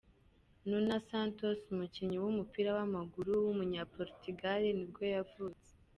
Nuno Santos, umukinnyi w’umupira w’amaguru w’umunya-Portugal nibwo yavutse.